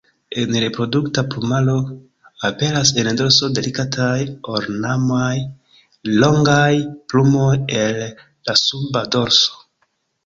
En reprodukta plumaro, aperas en dorso delikataj ornamaj longaj plumoj el la suba dorso.